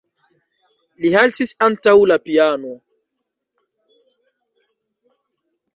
Li haltis antaŭ la piano.